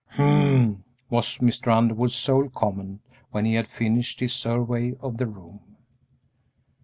"H'm!" was Mr. Underwood's sole comment when he had finished his survey of the room.